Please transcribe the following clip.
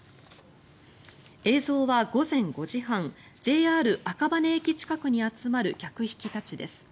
映像は午前５時半ＪＲ赤羽駅近くに集まる客引きたちです。